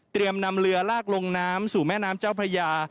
นำเรือลากลงน้ำสู่แม่น้ำเจ้าพระยา